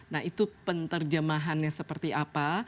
nah itu penerjemahannya seperti apa